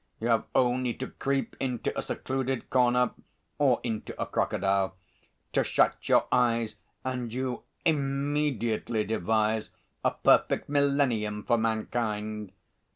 You have only to creep into a secluded corner or into a crocodile, to shut your eyes, and you immediately devise a perfect millennium for mankind.